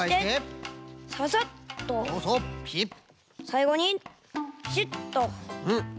さいごにピシッと！